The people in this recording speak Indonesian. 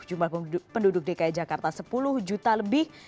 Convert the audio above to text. jumlah penduduk dki jakarta sepuluh juta lebih